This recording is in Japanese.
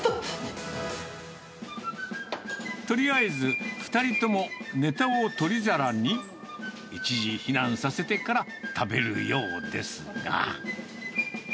とりあえず、２人ともネタを取り皿に一時避難させてから、食べるようですが。